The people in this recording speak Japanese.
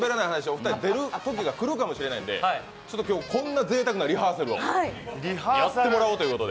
お二人も出るかもしれないので今日、こんなぜいたくなリハーサルをやってもらおうと。